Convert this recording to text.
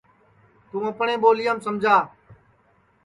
توں اپٹؔے ٻولیام سمجا